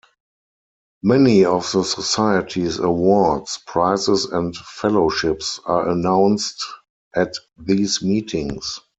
Many of the society's awards, prizes and fellowships are announced at these meetings.